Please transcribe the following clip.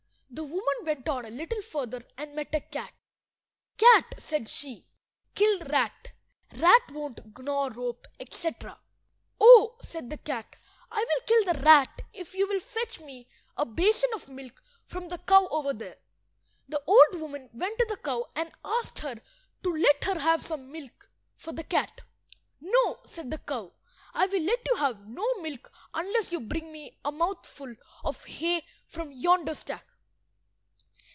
The woman went on a little further, and met a cat. "Cat," said she, "kill rat. Rat won't gnaw rope," etc. "Oh," said the cat, "I will kill the rat if you will fetch me a basin of milk from the cow over there." The old woman went to the cow and asked her to let her have some milk for the cat. "No," said the cow; "I will let you have no milk unless you bring me a mouthful of hay from yonder stack."